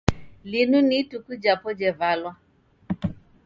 Linu ni ituku japo jevalwa.